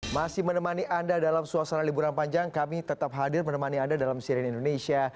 masih menemani anda dalam suasana liburan panjang kami tetap hadir menemani anda dalam siren indonesia